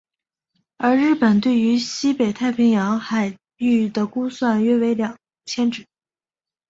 而日本对于西北太平洋海域的估算约为二千只。